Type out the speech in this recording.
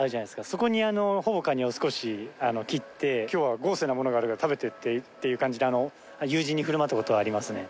そこにほぼカニを少し切って「今日は豪勢なものがあるから食べて」っていう感じで友人に振る舞った事はありますね。